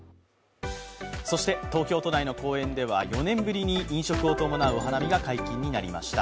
そして東京都内の公園では４年ぶりに飲食を伴うお花見が解禁になりました。